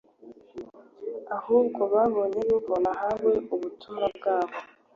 ahubwo babona yuko nahawe ubutumwa bwo